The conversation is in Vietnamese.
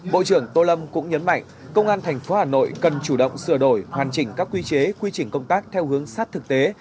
bộ trưởng tô lâm cũng nhấn mạnh công an tp hà nội cần chủ động sửa đổi hoàn chỉnh các quy chế quy trình công tác theo hướng sát thực tế